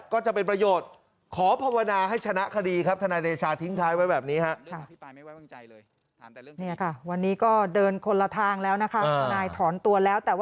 ก็จะเป็นประโยชน์ขอภาวนาให้ชนะคดีครับทนายเดชาทิ้งท้ายไว้แบบนี้ครับ